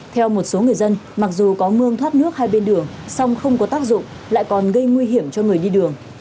theo một số người dân mặc dù có mương thoát nước hai bên đường song không có tác dụng lại còn gây nguy hiểm cho người đi đường